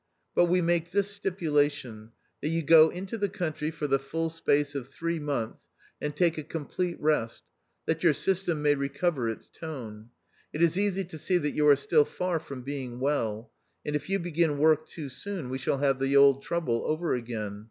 But we make this stipulation, that you go into the country for the full space of three months, and take a complete rest, that your system may recover its tone. It is easy to see that you are still far from being well, and if you begin work too soon we shall have the old trouble over again.